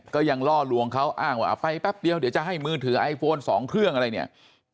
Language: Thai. ก็ยังล่อลวงเขาอ้างว่าเอาไปแป๊บเดียวเดี๋ยวจะให้มือถือไอโฟน๒เครื่องอะไรเนี่ย